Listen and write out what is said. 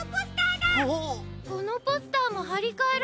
このポスターもはりかえられてる。